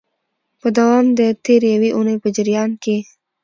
په دوام د تیري یوې اونۍ په جریان کي